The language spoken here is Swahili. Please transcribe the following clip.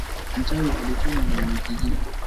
Mchawi alichomwa na wanakijiji